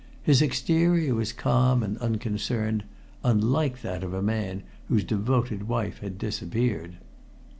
His exterior was calm and unconcerned, unlike that of a man whose devoted wife had disappeared.